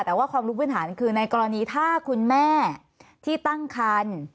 แต่ว่าความรู้พื้นฐานคือในกรณีถ้าคุณแม่ที่ตั้งคัน